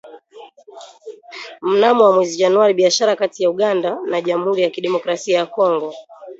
Mnamo mwezi Januari, biashara kati ya Uganda na jamuhuri ya kidemokrasia ya Kongo